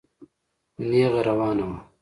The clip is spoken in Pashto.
خو نېغه روانه وه.